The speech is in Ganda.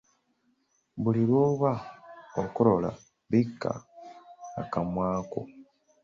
Buli lw’oba okolola, bikka akamwa ko.